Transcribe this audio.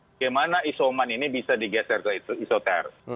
bagaimana isoman ini bisa digeser ke isoter